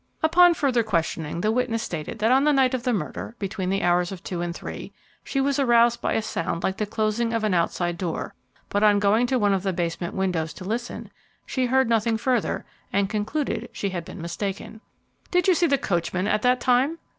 Upon further questioning, the witness stated that on the night of the murder, between the hours of two and three, she was aroused by a sound like the closing of an outside door, but on going to one of the basement windows to listen, she heard nothing further and concluded she had been mistaken. "Did you see the coachman at that time?"